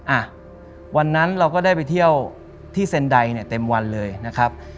อ่ะวันนั้นเราก็ได้ไปเที่ยวที่เซ็นไดเนี่ยเต็มวันเลยนะครับ